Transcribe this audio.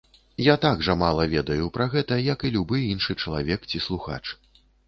Я так жа мала ведаю пра гэта, як і любы іншы чалавек ці слухач.